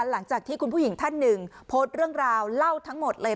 หลังจากที่คุณผู้หญิงท่านหนึ่งโพสต์เรื่องราวเล่าทั้งหมดเลย